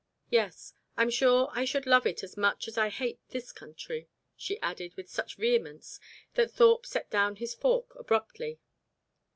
Yes, I'm sure I should love it as much as I hate this country," she added with such vehemence that Thorpe set down his fork abruptly.